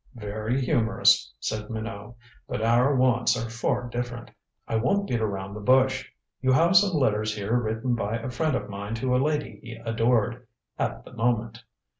"Very humorous," said Minot. "But our wants are far different. I won't beat around the bush. You have some letters here written by a friend of mine to a lady he adored at the moment.